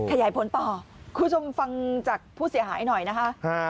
ขยายผลต่อคุณผู้ชมฟังจากผู้เสียหายหน่อยนะคะ